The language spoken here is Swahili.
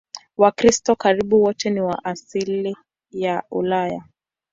Wakristo karibu wote ni wa asili ya Ulaya.